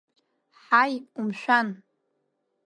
Ҳаи, умшәан!